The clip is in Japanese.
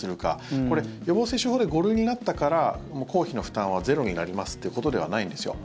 これ、予防接種法で５類になったから公費の負担はゼロになりますっていうことではないんですよ。